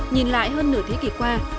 nhìn lại hơn nửa thế kỷ qua